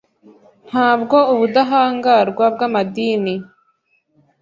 Ntabwo ubudahangarwa bwamadini